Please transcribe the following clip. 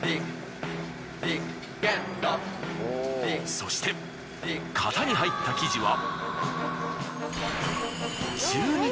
そして型に入った生地は。